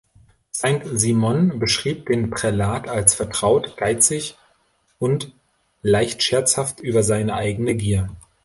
Saint-Simon beschrieb den Prälat als vertraut, geizig und leicht scherzhaft über seine eigene Gier.